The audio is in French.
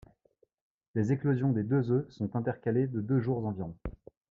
Les éclosions des deux œufs sont intercalées de deux jours environ.